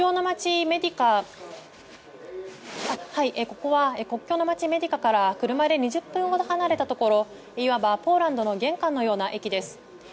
ここは国境の街メディカから車で２０分ほど離れたところいわば、ポーランドの玄関のような駅です。